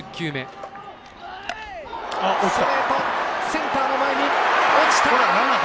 センターの前に落ちた！